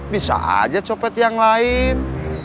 bisa aja copet yang lain